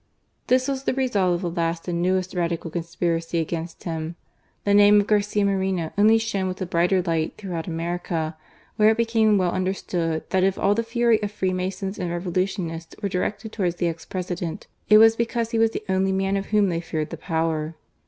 This was the result of the last and newest Radical* conspiracy against him. The name of , Garcia Moreno only shone with a brighter light throughout America, where it became well understood that if ^ the fury of Freemasons and Revc^utionists were directed towards the ex President, it was because he was the only man of whom they feared the power.